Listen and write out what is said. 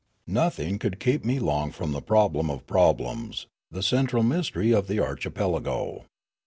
Nothing could keep me long from the problem of problems, the central mysterj' of the archipelago.